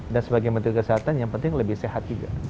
dan sebagai menteri kesehatan yang penting lebih sehat juga